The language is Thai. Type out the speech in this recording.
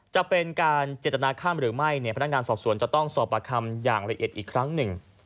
จะเป็นการเจตนาข้ามหรือไม่เนี่ยพนักงานสอบสวนจะต้องสอบประคำอย่างละเอียดอีกครั้งหนึ่ง